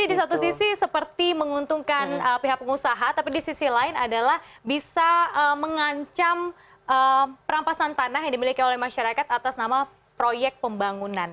di satu sisi seperti menguntungkan pihak pengusaha tapi di sisi lain adalah bisa mengancam perampasan tanah yang dimiliki oleh masyarakat atas nama proyek pembangunan